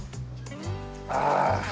ああ。